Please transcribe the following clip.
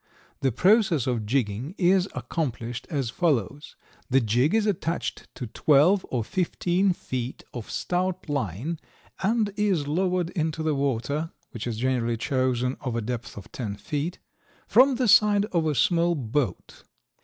The process of jigging is accomplished as follows: the jig is attached to twelve or fifteen feet of stout line and is lowered into the water, which is generally chosen of a depth of ten feet from the side of a small boat.